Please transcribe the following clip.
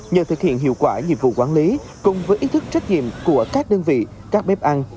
nhờ thực hiện hiệu quả nhiệm vụ quản lý cùng với ý thức trách nhiệm của các đơn vị các bếp ăn